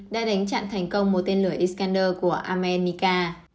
đã đánh chặn thành công một tên lửa iskander của amerika